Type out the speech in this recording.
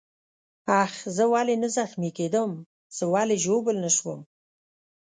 آخ، زه ولې نه زخمي کېدم؟ زه ولې ژوبل نه شوم؟